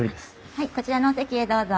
はいこちらのお席へどうぞ。